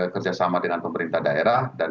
kerjasama dengan pemerintah daerah dan